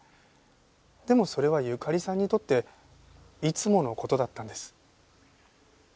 でもそれはゆかりさんにとっていつもの事だったんです。